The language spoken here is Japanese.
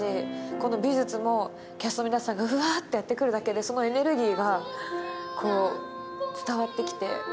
この美術もキャストの皆さんがうわってやって来るだけでそのエネルギーが伝わってきて。